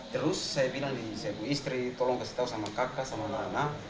terus saya bilang ibu istri tolong kasih tahu sama kakak sama anak anak